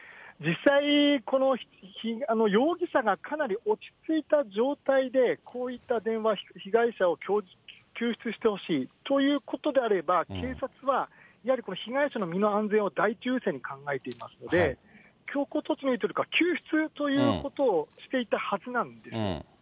実際、この容疑者がかなり落ち着いた状態で、こういった電話、被害者を救出してほしい、そういうことであれば、警察はやはりこの被害者の身の安全を第一優先に考えていきますので、強行突入するか、救出ということをしていたはずなんです。